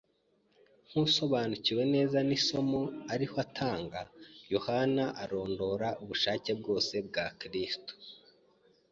Nk’usobanukiwe neza n’isomo ariho atanga, Yohana arondora ububasha bwose bwa Kristo